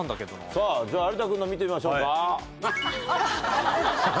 さぁじゃあ有田君の見てみましょうか。